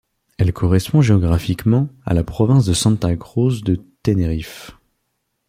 Elle correspond géographiquement à la province de Santa Cruz de Tenerife.